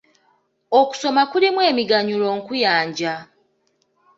Okusoma kulimu emiganyulo nkuyanja.